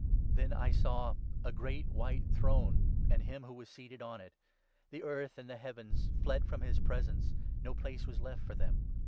Then I saw a great white throne, and him who was seated n on it. ' The earth and the heavens fled from his presence ; no place was left for them.'